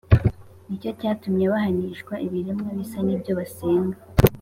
Ni cyo cyatumye bahanishwa ibiremwa bisa n’ibyo basenga,